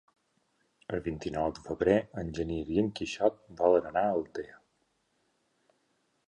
El vint-i-nou de febrer en Genís i en Quixot volen anar a Altea.